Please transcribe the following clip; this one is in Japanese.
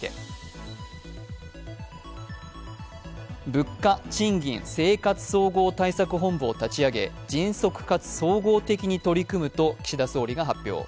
物価・賃金・生活総合対策本部を立ち上げ迅速かつ総合的に取り組むと岸田総理が発表。